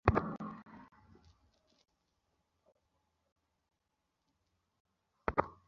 এরপর তাঁর মুখে কালি মাখিয়ে সড়কের পাশে গাছের সঙ্গে বেঁধে রাখা হয়।